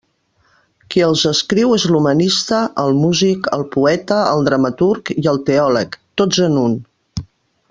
Qui els escriu és l'humanista, el músic, el poeta, el dramaturg i el teòleg, tots en un.